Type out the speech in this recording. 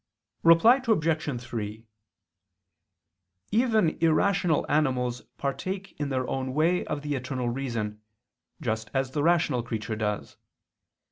Reply Obj. 3: Even irrational animals partake in their own way of the Eternal Reason, just as the rational creature does.